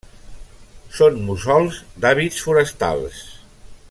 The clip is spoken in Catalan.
Són mussols d'hàbits forestals.